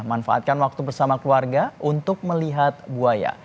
manfaatkan waktu bersama keluarga untuk melihat buaya